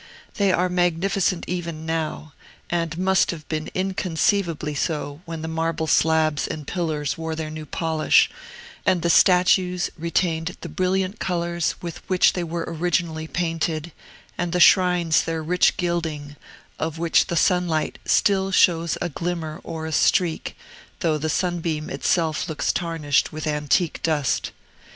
They are magnificent even now, and must have been inconceivably so when the marble slabs and pillars wore their new polish, and the statues retained the brilliant colors with which they were originally painted, and the shrines their rich gilding, of which the sunlight still shows a glimmer or a streak, though the sunbeam itself looks tarnished with antique dust.